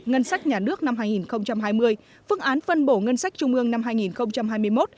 ngân sách nhà nước năm hai nghìn hai mươi phương án phân bổ ngân sách trung ương năm hai nghìn hai mươi một